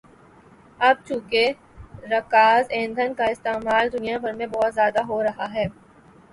اب چونکہ رکاز ایندھن کا استعمال دنیا بھر میں بہت زیادہ ہورہا ہے